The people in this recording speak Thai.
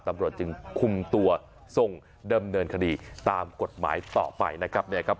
ตำรวจจึงคุมตัวทรงดำเนินคดีตามกฎหมายต่อไปนะครับ